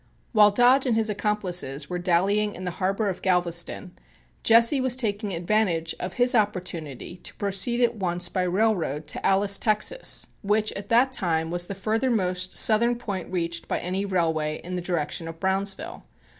While Dodge and his accomplices were dallying in the harbor of Galveston, Jesse was taking advantage of his opportunity to proceed at once by railroad to Alice, Texas, which at that time was the furthermost southern point reached by any railway in the direction of Brownsville.